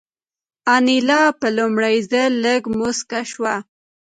انیلا په لومړي ځل لږه موسکه شوه